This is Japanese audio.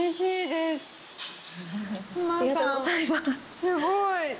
すごい。